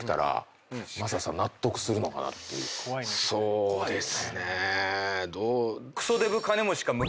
そうですねどう。